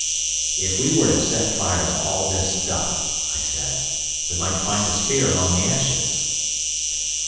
"If we were to set fire to all this stuff," I said, "we might find the sphere among the ashes."